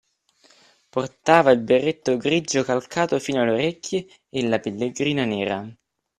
Portava il berretto grigio calcato fino alle orecchie e la pellegrina nera.